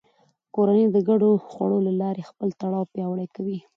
کورنۍ د ګډو خوړو له لارې خپل تړاو پیاوړی کوي